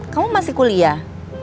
kamu masih kuliah